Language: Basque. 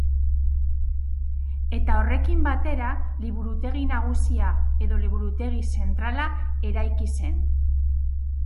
Eta horrekin batera, Liburutegi Nagusia edo Liburutegi Zentrala eraiki zen.